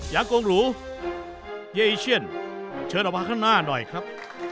ยังกงหลูเยอิเชียอนเชิญเอามาข้างหน้าด้วยครับ